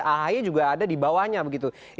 ahy juga ada di bawahnya begitu